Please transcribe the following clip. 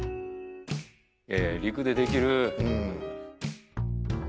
陸でできるうん